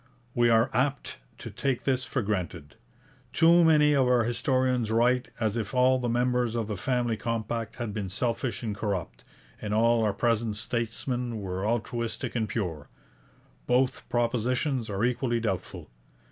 We are apt to take this for granted. Too many of our historians write as if all the members of the Family Compact had been selfish and corrupt, and all our present statesmen were altruistic and pure. Both propositions are equally doubtful.